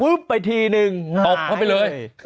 ปุ๊บไปทีนึงหายเลย